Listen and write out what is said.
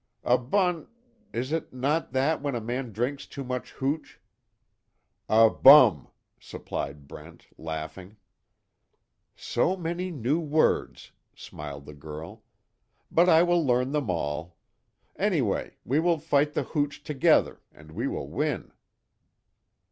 "A bun is it not that when a man drinks too much hooch?" "A bum," supplied Brent, laughing. "So many new words!" smiled the girl. "But I will learn them all. Anyway, we will fight the hooch together, and we will win."